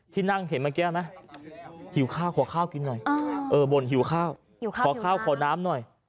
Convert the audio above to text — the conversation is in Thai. ที่นั่งเห็นเมื่อกี้ไหมหิวข้าวขอข้าวกินหน่อยบ่นหิวข้าวหิวข้าวขอข้าวขอน้ำหน่อย